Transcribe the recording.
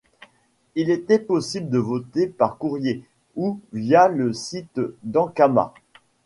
Il était possible de voter par courrier ou via le site d'Ankama.